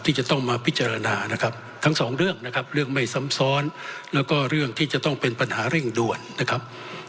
ที่จะต้องมาพิจารณานะครับทั้งสองเรื่องนะครับเรื่องไม่ซ้ำซ้อนแล้วก็เรื่องที่จะต้องเป็นปัญหาเร่งด่วนนะครับ